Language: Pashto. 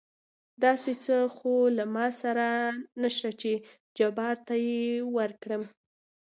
داسې څه خو له ما سره نشته چې جبار ته يې ورکړم.